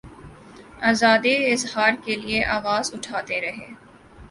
آزادیٔ اظہار کیلئے آواز اٹھاتے رہے۔